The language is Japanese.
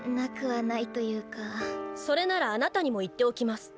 それならあなたにも言っておきます。